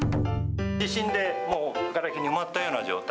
地震でもうがれきに埋まったような状態。